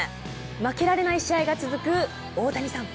負けられない試合が続く大谷さん。